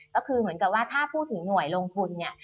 ก็คือเหมือนกับว่าถ้าพูดถึงหน่วยลงทุนเนี่ย